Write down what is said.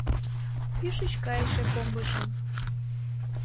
Кӱшыч кайыше комбыжын